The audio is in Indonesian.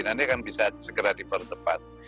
nah ini kan bisa segera dipercepat